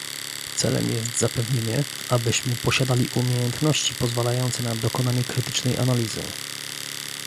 Celem jest zapewnienie, abyśmy posiadali umiejętności pozwalające na dokonanie krytycznej analizy